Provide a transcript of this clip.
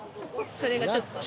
それがちょっと。